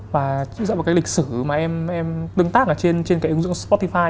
và dựa vào cái lịch sử mà em tương tác ở trên cái ứng dụng sportify